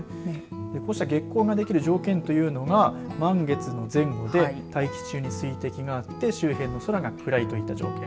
こうした月虹ができる条件というのは満月の前後で大気中に水滴があって周辺の空が暗いといった条件。